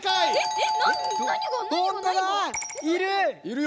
いる！